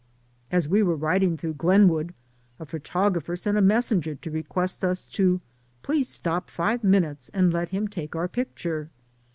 As we were riding through Glenwood a photographer sent a messenger to request us to "Please stop five minutes and let him take our picture."